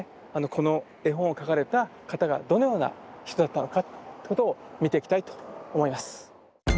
この絵本を描かれた方がどのような人だったのかってことを見ていきたいと思います。